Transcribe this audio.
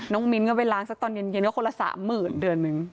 มิ้นก็ไปล้างสักตอนเย็นก็คนละ๓๐๐๐เดือนนึง